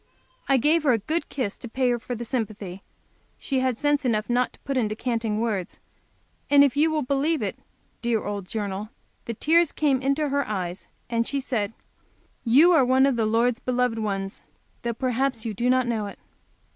I gave her a good kiss to pay her for the sympathy she had sense enough not to put into canting words, and if you will believe it, dear old Journal, the tears came into her eyes, and she said: "You are one of the Lord's beloved ones, though perhaps you do not know it."